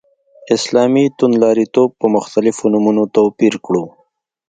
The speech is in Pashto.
اسلامي توندلاریتوب په مختلفو نومونو توپير کړو.